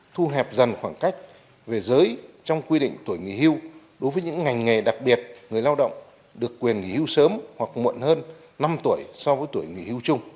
thu hẹp dần khoảng cách về giới trong quy định tuổi nghỉ hưu đối với những ngành nghề đặc biệt người lao động được quyền nghỉ hưu sớm hoặc muộn hơn năm tuổi so với tuổi nghỉ hưu chung